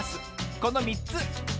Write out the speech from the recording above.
この３つ。